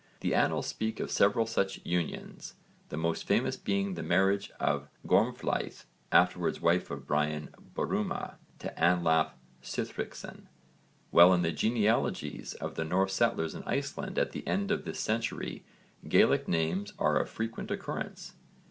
The annals speak of several such unions, the most famous being the marriage of Gormflaith, afterwards wife of Brian Borumha, to Anlaf Sihtricsson, while in the genealogies of the Norse settlers in Iceland at the end of this century, Gaelic names are of frequent occurrence.